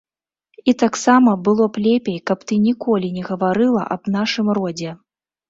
І таксама было б лепей, каб ты ніколі не гаварыла аб нашым родзе.